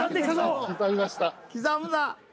刻むな。